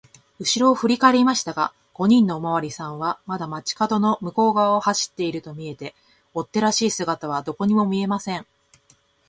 うしろをふりかえりましたが、五人のおまわりさんはまだ町かどの向こうがわを走っているとみえて、追っ手らしい姿はどこにも見えません。